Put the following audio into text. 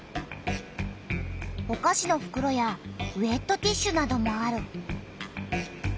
おかしのふくろやウエットティッシュなどもある。